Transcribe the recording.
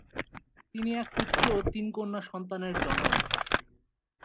তিনি এক পুত্র ও তিন কন্যা সন্তানের জনক।